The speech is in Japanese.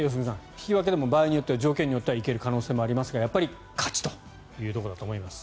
引き分けでも場合によっては条件によっては行ける可能性もありますがやっぱり勝ちというところだと思います。